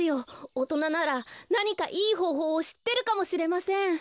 おとなならなにかいいほうほうをしってるかもしれません。